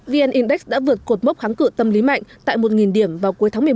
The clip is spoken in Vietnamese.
vn index đã vượt cột mốc kháng cự tâm lý mạnh tại một điểm vào cuối tháng một mươi một